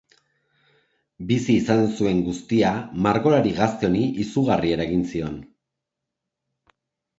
Bizi izan zuen guztia margolari gazte honi izugarri eragin zion.